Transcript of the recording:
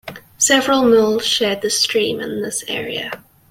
Several mills shared the stream in this area.